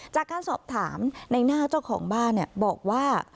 จากการสอบถามในหน้าเจ้าของบ้านบอกว่า